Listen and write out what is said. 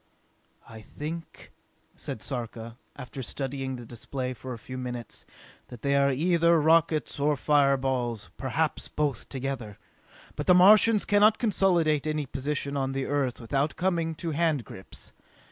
"I think," said Sarka, after studying the display for a few minutes, "that they are either rockets or fireballs, perhaps both together! But the Martians cannot consolidate any position on the Earth without coming to handgrips.